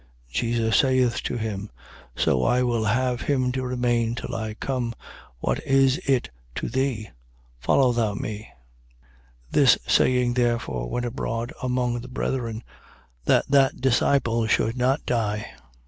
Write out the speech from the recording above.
Jesus saith to him: So I will have him to remain till I come, what is it to thee? Follow thou me. 21:23. This saying therefore went abroad among the brethren, that that disciple should not die.